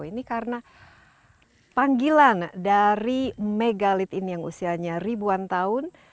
ini karena panggilan dari megalit ini yang usianya ribuan tahun